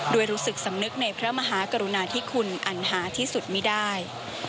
รู้สึกสำนึกในพระมหากรุณาธิคุณอันหาที่สุดไม่ได้